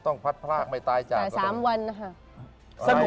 ต้องพัดพรากไม่ตายจากแต่๓วันนะครับ